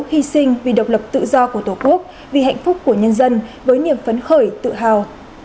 hy sinh vì độc lập tự do của tổ quốc vì hạnh phúc của nhân dân với niềm phấn khởi tự hào